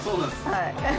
はい。